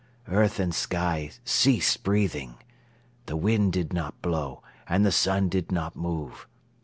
Earth and sky ceased breathing. The wind did not blow and the sun did not move.